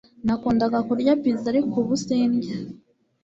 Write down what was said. Nakundaga kurya pizza ariko ubu sindya